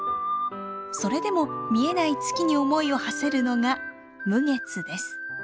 それでも見えない月に思いをはせるのが無月です。